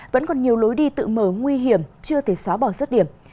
vẫn còn nhiều lối đi tự mở nguy hiểm chưa thể xóa bỏ rứt điểm